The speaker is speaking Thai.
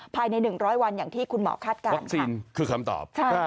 ภายใน๑๐๐วันอย่างที่คุณหมอคาดการณ์วัคซีนคือคำตอบ